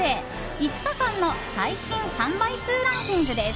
５日間の最新販売数ランキングです。